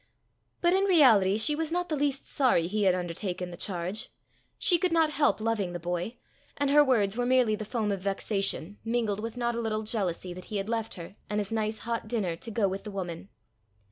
But in reality she was not the least sorry he had undertaken the charge. She could not help loving the boy, and her words were merely the foam of vexation, mingled with not a little jealousy, that he had left her, and his nice hot dinner, to go with the woman.